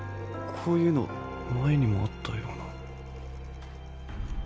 こういうのまえにもあったような。